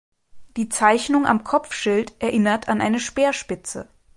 Die Zeichnung am Kopfschild erinnert an eine Speerspitze.